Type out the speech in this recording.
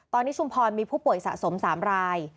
ตอนนี้ชุมพรมีผู้ป่วยสะสม๓ราย